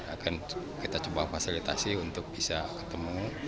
akan kita coba fasilitasi untuk bisa ketemu